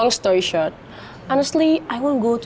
ini karena misalnya kaget lo tau